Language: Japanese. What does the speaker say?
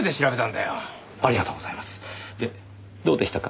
でどうでしたか？